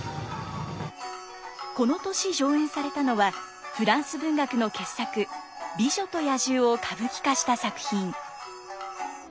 この年上演されたのはフランス文学の傑作「美女と野獣」を歌舞伎化した作品。